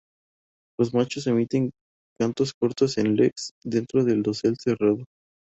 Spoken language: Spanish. Los machos emiten cantos cortos en "leks", dentro del dosel cerrado.